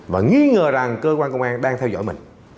và nghi ngờ rằng cơ quan công an đang theo dõi mình